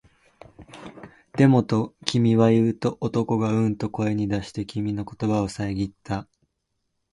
でも、と君は言うと、男がううんと声に出して、君の言葉をさえぎった